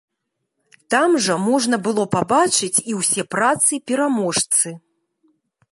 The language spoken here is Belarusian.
Там жа можна было пабачыць і ўсе працы-пераможцы.